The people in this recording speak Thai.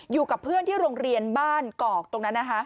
อยู่กับเพื่อนที่โรงเรียนบ้านกอกตรงนั้นนะคะ